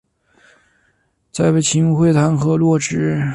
再被秦桧弹劾落职。